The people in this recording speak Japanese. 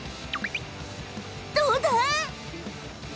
どうだ？